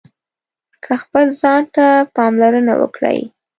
که خپل ځان ته پاملرنه وکړئ